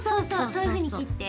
そういうふうに切って。